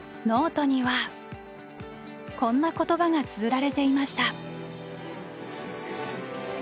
ノートには、こんな言葉がつづられていました。